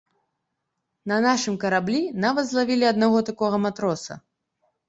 На нашым караблі нават злавілі аднаго такога матроса.